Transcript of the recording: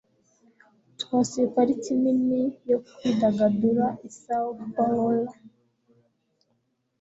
Twasuye parike nini yo kwidagadura i São Paulo.